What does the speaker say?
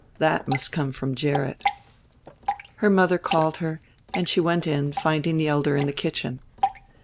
That must come from Gerrit. Her mother called her, and she went in, finding the elder in the kitchen.